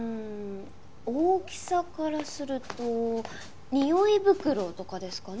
大きさからするとにおい袋とかですかね？